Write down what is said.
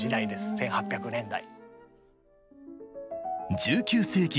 １８００年代。